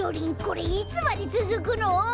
これいつまでつづくの？